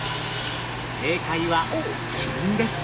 正解はキリンです。